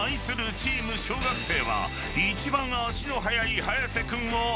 チーム小学生は一番足の速い早瀬君をアンカーに］